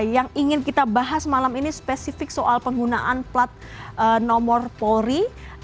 yang ingin kita bahas malam ini spesifik soal penggunaan plat nomor polri